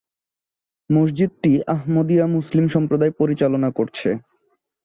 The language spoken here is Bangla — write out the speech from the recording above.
মসজিদটি আহমদিয়া মুসলিম সম্প্রদায় পরিচালনা করছে।